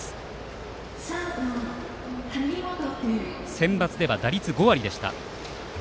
センバツでは打率５割でした。